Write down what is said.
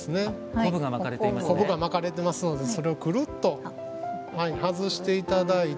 昆布が巻かれてますのでそれをクルッと外して頂いて。